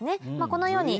このように。